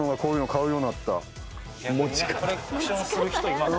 逆にねコレクションする人います。